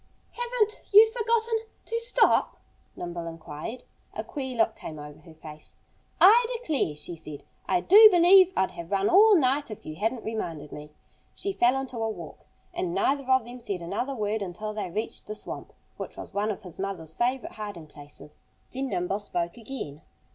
"Haven't you forgotten to stop?" Nimble inquired. A queer look came over her face. "I declare," she said, "I do believe I'd Have run all night if you hadn't reminded me." She fell into a walk. And neither of them said another word until they reached the swamp, which was one of his mother's favorite hiding places. Then Nimble spoke again.